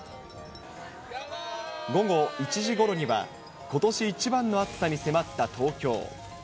午後１時ごろには、ことし一番の暑さに迫った東京。